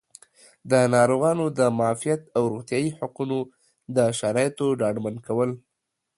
د ناروغانو د معافیت او روغتیایي حقونو د شرایطو ډاډمن کول